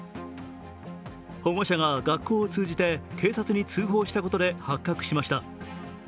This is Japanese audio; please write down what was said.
保護者が学校を通じて、警察に通報したことで発覚しました。